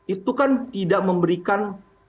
itu kan tidak memberikan